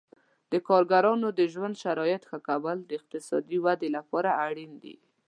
د کارګرانو د ژوند شرایطو ښه کول د اقتصادي ودې لپاره اړین دي.